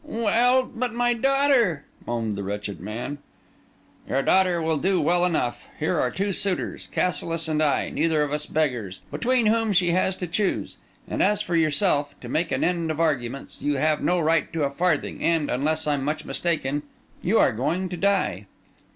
"Well, but my daughter," moaned the wretched man. "Your daughter will do well enough. Here are two suitors, Cassilis and I, neither of us beggars, between whom she has to choose. And as for yourself, to make an end of arguments, you have no right to a farthing, and, unless I'm much mistaken, you are going to die."